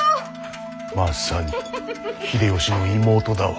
まさに秀吉の妹だわ。